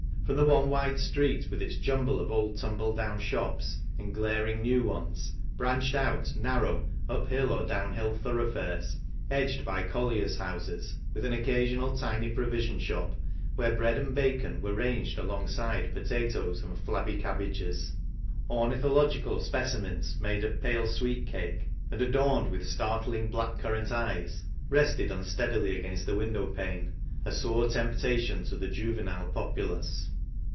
From the one vnde street with its jumble of old, tumble down shops, and glaring new ones, branched out narrow, up hill or down hill thoroughfares, edged by colliers' houses, with an occasional tiny provision shop, where bread and bacon were ranged alongside potatoes and flabby cabbages ; ornithological specimens made of pale sweet cake, and adorned with startKug black currant eyes, rested unsteadily against the window pane, a sore temptation to the juvenile populace.